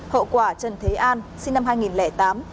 hậu quả trần thế an sinh năm hai nghìn tám